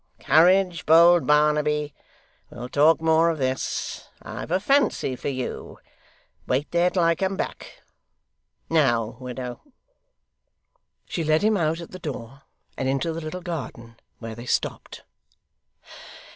Courage, bold Barnaby. We'll talk more of this: I've a fancy for you. Wait there till I come back. Now, widow.' She led him out at the door, and into the little garden, where they stopped.